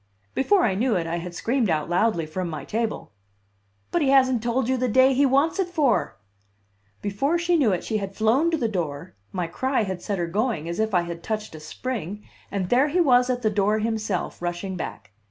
Before I knew it I had screamed out loudly from my table: "But he hasn't told you the day he wants it for!" Before she knew it she had flown to the door my cry had set her going, as if I had touched a spring and there he was at the door himself, rushing back.